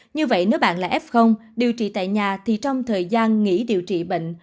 như vậy nếu bạn là f điều trị tại nhà thì trong thời gian nghỉ điều trị bệnh